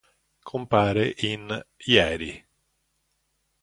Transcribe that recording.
Compare in "Ieri".